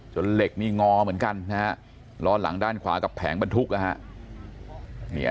เหล็กนี่งอเหมือนกันนะฮะล้อหลังด้านขวากับแผงบรรทุกนะฮะ